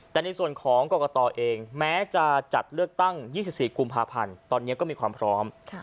แต่ในส่วนของกรกตเองแม้จะจัดเลือกตั้ง๒๔กุมภาพันธ์ตอนนี้ก็มีความพร้อม